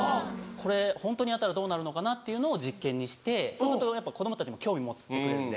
これホントにやったらどうなるのかなっていうのを実験にしてそうすると子供たちも興味持ってくれるんで。